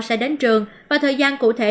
sẽ đến trường và thời gian cụ thể